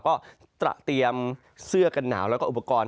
ก็ตระเตรียมเสื้อกันหนาวแล้วก็อุปกรณ์